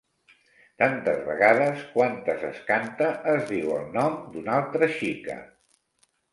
Tantes vegades quantes es canta es diu el nom d’una altra xica.